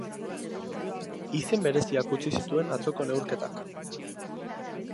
Izen bereziak utzi zituen atzoko neurketak.